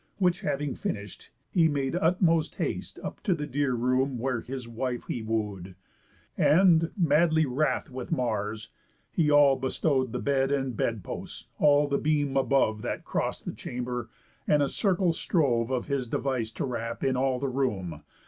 Which having finish'd, he made utmost haste Up to the dear room where his wife he woo'd, And, madly wrath with Mars, he all bestrow'd The bed, and bed posts, all the beam above That cross'd the chamber; and a circle strove Of his device to wrap in all the room.